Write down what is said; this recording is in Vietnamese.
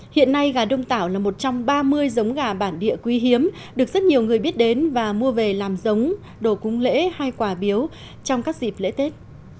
hiện nay gà đông tảo là một trong ba mươi giống gà bản địa quý hiếm được rất nhiều người biết đến và mua về làm giống đồ cúng lễ hay quả biếu trong các dịp lễ tết